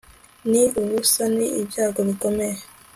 ni ubusa ni ibyago bikomeye